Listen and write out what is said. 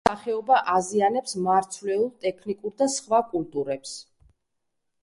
ბევრი სახეობა აზიანებს მარცვლეულ, ტექნიკურ და სხვა კულტურებს.